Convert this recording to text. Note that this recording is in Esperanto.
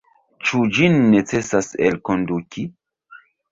Ĉu ĝin necesas elkonduki?